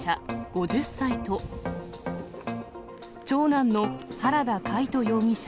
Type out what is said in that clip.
５０歳と、長男の原田魁斗容疑者